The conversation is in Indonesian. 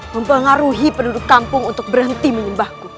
mempengaruhi penduduk kampung untuk berhenti menyembahku